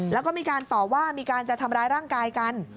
แล้วก็มีการต่อว่ามีการจะทำร้ายร่างกายกัน